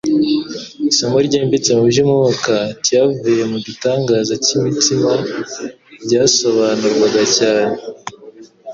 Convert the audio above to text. Isomo ryimbitse mu by'umwuka tyavuye mu gitangaza cy'imitsima ryasobanurwaga cyane